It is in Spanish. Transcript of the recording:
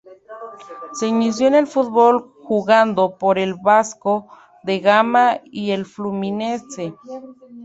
Se inició en el fútbol jugando por el Vasco da Gama y el Fluminense.